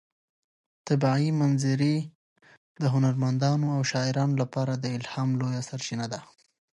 طبیعي منظرې د هنرمندانو او شاعرانو لپاره د الهام لویه سرچینه ده.